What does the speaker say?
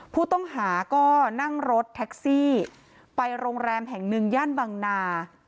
ผู้ต้องหาก็นั่งรถแท็กซี่ไปโรงแรมแห่งหนึ่งย่านบางนา